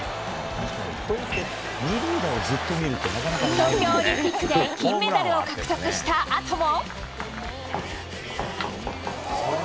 東京オリンピックで金メダルを獲得したあとも。